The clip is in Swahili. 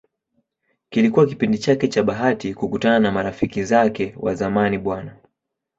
Kilikuwa kipindi chake cha bahati kukutana na marafiki zake wa zamani Bw.